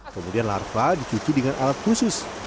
kemudian larva dicuci dengan alat khusus